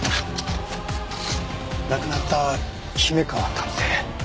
亡くなった姫川探偵？